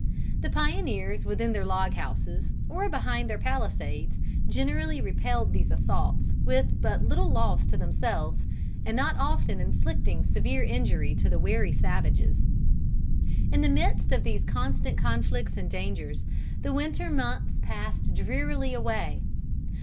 The pioneers within their log houses, or behind their palisades, generally repelled these assaults with but little loss to themselves and not often inflicting severe injury to the wary savages. In the midst of these constant conflicts and dangers, the winter months passed drearily away.